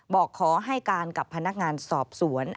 บอกขอให้การกับพนักงานสอบสวน